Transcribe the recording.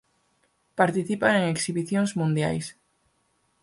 Participan en exhibicións mundiais.